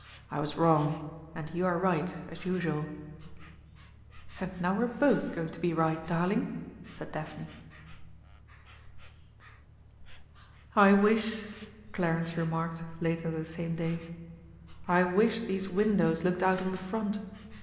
"I was wrong, and you are right as usual." "And now we're both going to be right, darling!" said Daphne. "I wish," Clarence remarked later the same day, "I wish these windows looked out on the front.